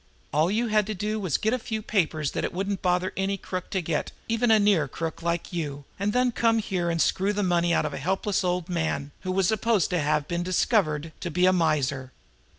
All you had to do was to get a few papers that it wouldn't bother any crook to get, even a near crook like you, and then come here and screw the money out of a helpless old man, who was supposed to have been discovered to be a miser.